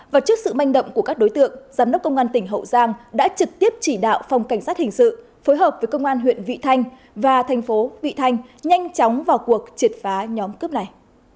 và trước sự manh động của các đối tượng giám đốc công an tỉnh hậu giang đã trực tiếp chỉ đạo phòng cảnh sát hình sự phối hợp với công an huyện vị thanh và thành phố vị thanh nhanh chóng vào cuộc triệt phá nhóm cướp này